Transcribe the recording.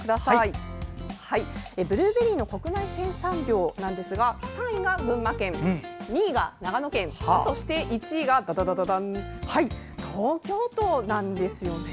ブルーベリーの国内の生産量は３位が群馬県、２位が長野県そして１位が東京都なんですね。